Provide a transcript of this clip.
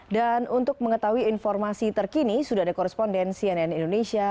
dan untuk mengetahui informasi terkini sudah ada koresponden cnn indonesia